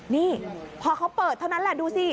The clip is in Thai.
นี่พอเขาเปิดเท่านั้นแหละดูสิ